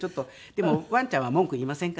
でもワンちゃんは文句言いませんから。